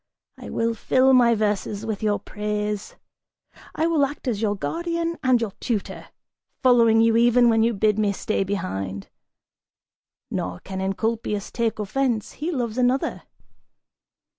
I will fill my verses with your praise! I will act as your guardian and your tutor, following you even when you bid me stay behind! Nor can Encolpius take offense, he loves another."